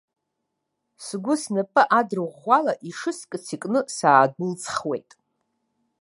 Сгәы снапы адырӷәӷәала ишыскыц икны саадәылҵхуеит.